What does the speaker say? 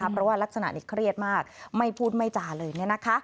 เพราะว่าลักษณะนี้เครียดมากไม่พูดไม่จ่าเลยเนี่ยนะคะ